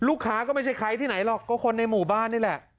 ลูกค้าก็ไม่ใช่ใครที่ไหนหรอกก็คนในหมู่บ้านนี่แหละ